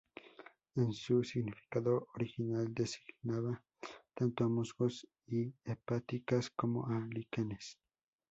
En su significado original designaba tanto a musgos y hepáticas como a líquenes.